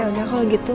hai ya udah kalau gitu